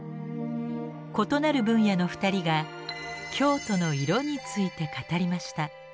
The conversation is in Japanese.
異なる分野の２人が「京都の色」について語りました。